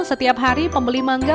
setiap hari pembeli mangga